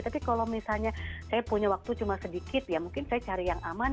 tapi kalau misalnya saya punya waktu cuma sedikit ya mungkin saya cari yang aman